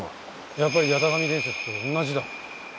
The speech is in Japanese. やっぱり八咫神伝説と同じだ。